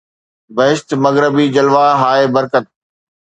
بهشت مغربي جلوه هاي برکب